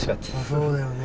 あっそうだよね。